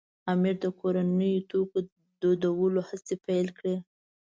امیر د کورنیو توکو دودولو هڅې پیل کړې.